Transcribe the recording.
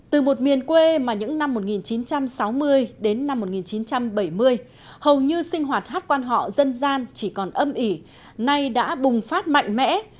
từ một miền quê mà những năm một nghìn chín trăm sáu mươi đến năm một nghìn chín trăm bảy mươi hầu như sinh hoạt hát quan họ dân gian chỉ còn âm ỉ nay đã bùng phát mạnh mẽ